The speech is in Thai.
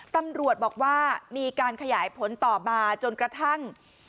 ตำรวจบอกว่ามีการขยายผลต่อมาจนกระทั่ง